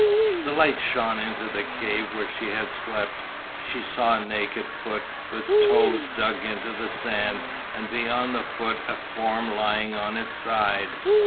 The light shone into the cave where she had slept. She saw a naked foot with toes dug into the sand and beyond the foot a form lying on its side.